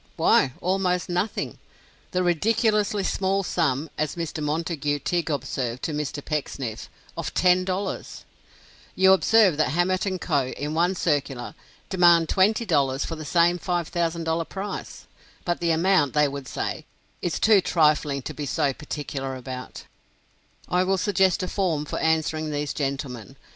Why, almost nothing. "The ridiculously small sum," as Mr. Montague Tigg observed to Mr. Pecksniff, of $10. You observe that Hammett & Co., in one circular, demand $20, for the same $5,000 prize. But the amount, they would say, is too trifling to be so particular about! I will suggest a form for answering these gentlemen.